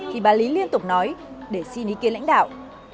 thì bà lý liên tục nói để xin ý kiến lãnh đạo